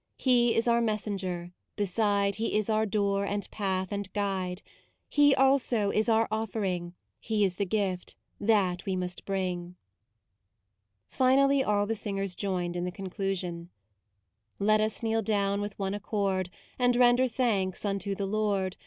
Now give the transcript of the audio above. He is our Messenger ; beside, He is our Door and Path and Guide ; He also is our Offering ; He is the Gift. That we must bring " Finally all the singers joined in the conclusion :" Let us kneel down with one accord And render thanks unto the Lord.